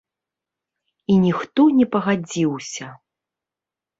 І ніхто не пагадзіўся.